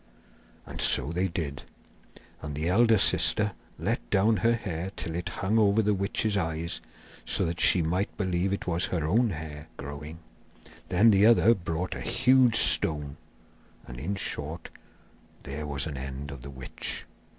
And so they did; and the elder sister let down her hair till it hung over the witch's eyes, so that she might believe it was her own hair growing. Then the other brought a huge stone, and, in short, there was an end of the witch.